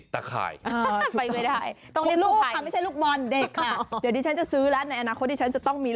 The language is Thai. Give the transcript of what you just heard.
แต่ว่าอันนี้มันสูงไง